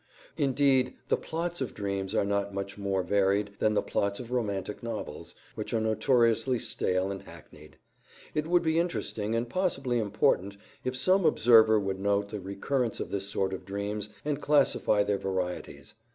Indeed, the plots of dreams are not much more varied than the plots of romantic novels, which are notoriously stale and hackneyed. It would be interesting, and possibly important, if some observer would note the recurrence of this sort of dreams and classify their varieties.